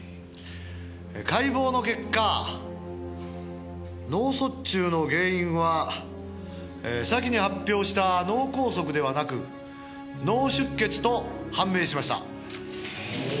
「解剖の結果脳卒中の原因は先に発表した脳こうそくではなく脳出血と判明しました」